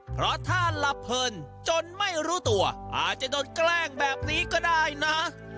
เพราะถ้าหลับเพลินจนไม่รู้ตัวอาจจะโดนแกล้งแบบนี้ก็ได้นะ